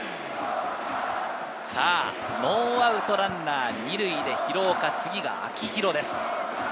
ノーアウトランナー２塁で廣岡、次が秋広です。